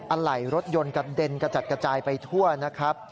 ไหล่รถยนต์กระเด็นกระจัดกระจายไปทั่วนะครับ